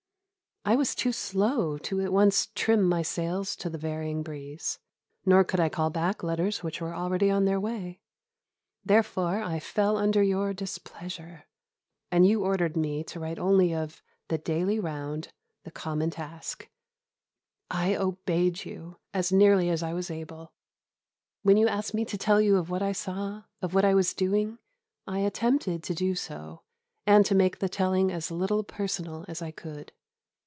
I was too slow to at once trim my sails to the varying breeze, nor could I call back letters which were already on their way. Therefore I fell under your displeasure, and you ordered me to write only of "the daily round, the common task." I obeyed you, as nearly as I was able. When you asked me to tell you of what I saw, of what I was doing, I attempted to do so, and to make the telling as little personal as I could.